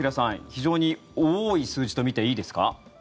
非常に多い数字と見ていいですか？